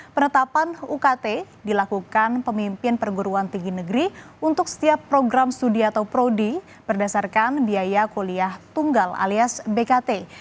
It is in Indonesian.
penetapan ukt dilakukan pemimpin perguruan tinggi negeri untuk setiap program studi atau prodi berdasarkan biaya kuliah tunggal alias bkt